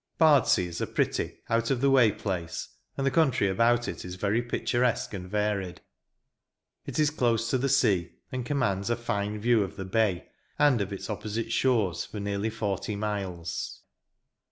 Bardsea is a pretty, out of the way place, and the country about it is very picturesque and varied. It is close to the sea, and commands a fine view of the bay, and of its opposite shores, for nearly forty miles.